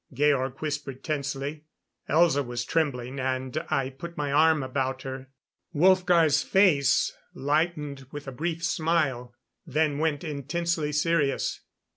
Georg whispered tensely. Elza was trembling and I put my arm about her. Wolfgar's face lightened with a brief smile; then went intensely serious.